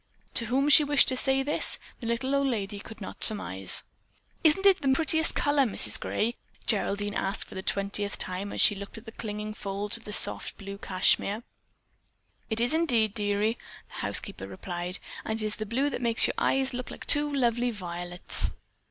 To whom she wished to say this, the little old lady could not surmise. "Isn't it the prettiest color, Mrs. Gray?" Geraldine asked for the twentieth time as she looked at the clinging folds of soft blue cashmere. "It is indeed, dearie," the housekeeper replied, "and it's the blue that makes your eyes look like two lovely violets."